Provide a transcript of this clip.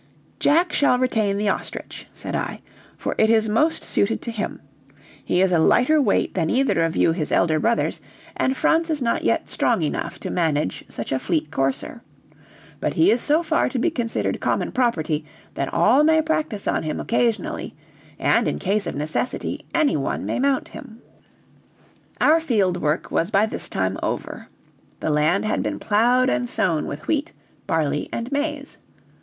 "Jack shall retain the ostrich," said I, "for it is most suited to him; he is a lighter weight than either of you his elder brothers, and Franz is not yet strong enough to manage such a fleet courser. But he is so far to be considered common property, that all may practice on him occasionally; and, in a case of necessity, any one may mount him." Our field work was by this time over. The land had been plowed and sown with wheat, barley, and maize.